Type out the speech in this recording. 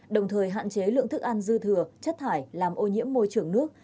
đồng thời hạn chế lượng thức ăn dư thừa chất thải làm ô nhiễm môi trường nước